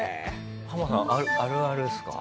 ハマさんあるあるですか？